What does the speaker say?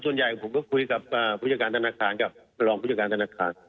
ส่วนใหญ่ผมก็คุยกับผู้จัดการธนาคารกับรองผู้จัดการธนาคาร